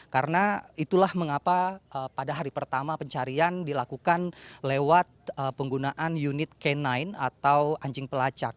karena itulah mengapa pada hari pertama pencarian dilakukan lewat penggunaan unit k sembilan atau anjing pelacak